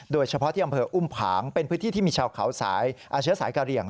โดยเฉพาะที่อำเภออุ้มผางเป็นพื้นที่ที่มีชาวเขาเชื้อสายกะเหลี่ยง